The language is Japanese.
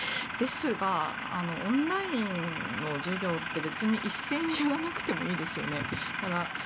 ですが、オンラインの授業って別に一斉にやらなくてもいいですよね。